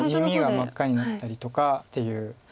耳が真っ赤になったりとかっていう。